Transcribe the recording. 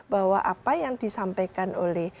bahwa apa yang disampaikan oleh